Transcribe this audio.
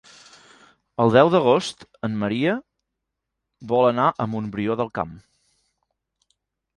El deu d'agost en Maria vol anar a Montbrió del Camp.